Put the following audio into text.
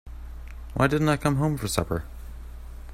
Why didn't I come home for supper?